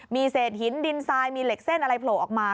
มีเศษหินดินทรายมีเหล็กเส้นอะไรโผล่ออกมา